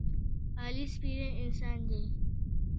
علي سپېره انسان دی.